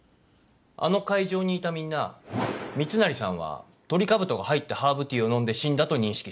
あの会場にいたみんな密成さんはトリカブトが入ったハーブティーを飲んで死んだと認識してる。